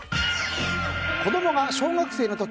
子供が小学生の時